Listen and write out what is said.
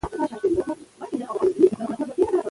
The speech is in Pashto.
د ولس ملاتړ د هرې پرېکړې د بریا او مشروعیت بنسټ جوړوي